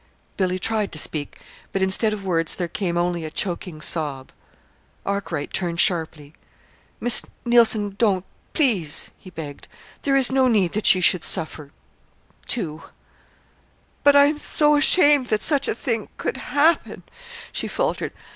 Billy tried to speak, but instead of words, there came only a choking sob. Arkwright turned sharply. "Miss Neilson, don't please," he begged. "There is no need that you should suffer too." "But I am so ashamed that such a thing could happen," she faltered.